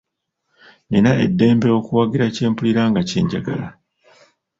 Nina eddembe okuwagira kye mpulira nga kye njagala.